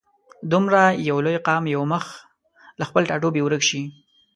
دومره یو لوی قام یو مخ له خپل ټاټوبي ورک شي.